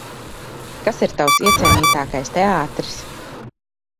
Kas ir tavs iecienītākais teātris?